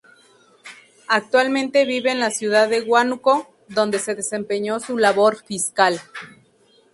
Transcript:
Actualmente vive en la ciudad de Huánuco, donde se desempeñó su labor fiscal.